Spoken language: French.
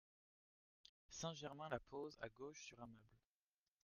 Saint-Germain la pose à gauche sur un meuble.